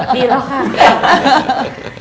ดีแล้วค่ะ